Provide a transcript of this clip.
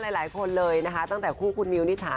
หลายคนเลยนะคะตั้งแต่คู่คุณมิวนิษฐา